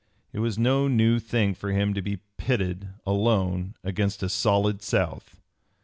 It was no new thing for him to be pitted alone against a "solid South."